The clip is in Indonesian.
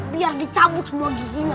biar dicabut semua giginya